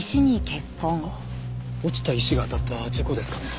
落ちた石が当たった事故ですかね？